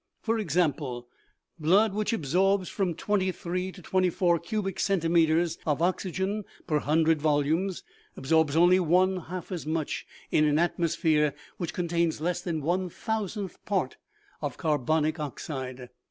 For example : blood which absorbs from twenty three to twenty four cubic centimeters of oxygen per hun dred volumes, absorbs only one half as much in an atmos phere which contains less than one thousandth part of carbonic oxide.